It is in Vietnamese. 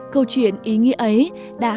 câu chuyện ý nghĩa ấy đã